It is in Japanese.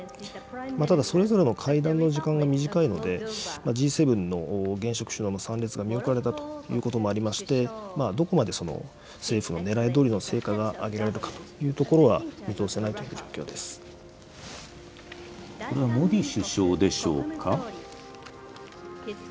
ただそれぞれの会談の時間が短いので、Ｇ７の現職首脳の参列が見送られたということもありまして、どこまで政府のねらいどおりの成果が上げられるかというところはモディ首相でしょうか。